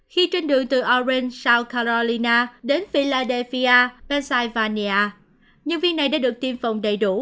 khi trên đường từ orange south carolina đến philadelphia pennsylvania nhân viên này đã được tiêm phòng đầy đủ